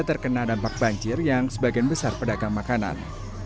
terkena dampak banjir yang sebagian besar pedagang makanan